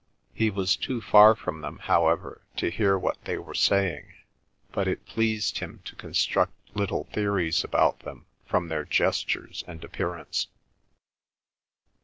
He was too far from them, however, to hear what they were saying, but it pleased him to construct little theories about them from their gestures and appearance.